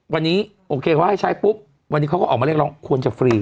วันนี้โอเคเขาให้ใช้ปุ๊บวันนี้เขาก็ออกมาเรียกร้องควรจะฟรี